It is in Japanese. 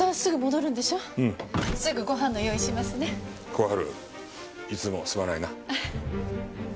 小春いつもすまないな。